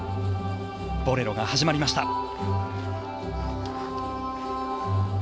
「ボレロ」が始まりました。